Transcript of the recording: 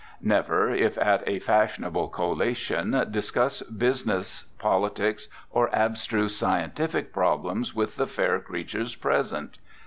Never, if at a fashionable collation, discuss business, politics or abstruse scientific problems with the fair creatures present.